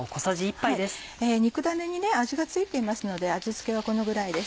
肉ダネに味が付いていますので味付けはこのぐらいです。